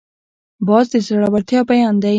باز د زړورتیا بیان دی